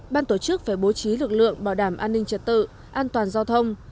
ban tổ chức phải bố trí lực lượng bảo đảm an ninh trật tự an toàn giao thông